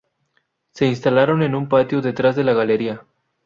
Se instalaron en un patio detrás de la galería.